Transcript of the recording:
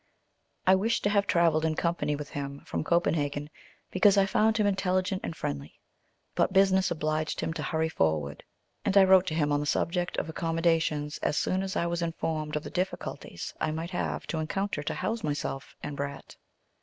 I wished to have travelled in company with him from Copenhagen, because I found him intelligent and friendly, but business obliged him to hurry forward, and I wrote to him on the subject of accommodations as soon as I was informed of the difficulties I might have to encounter to house myself and brat.